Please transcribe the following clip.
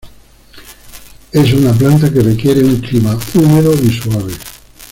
Es una planta que requiere un clima húmedo y suave.